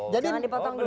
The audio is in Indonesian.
jangan dipotong dulu